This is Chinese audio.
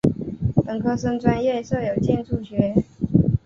本科生专业设有建筑学。